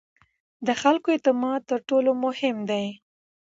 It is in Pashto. د خلکو اعتماد تر ټولو مهم دی